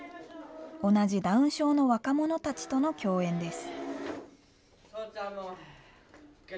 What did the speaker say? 同じダウン症の若者たちとの共演です。